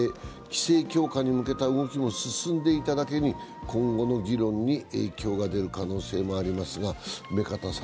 規制強化に向けた動きも進んでいただけに、今後の議論に影響が出る可能性もあります。